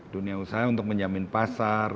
dunia usaha untuk menjamin pasar